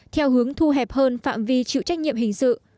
theo hướng thu hẹp hơn phạm vi chịu trách nhiệm hình sự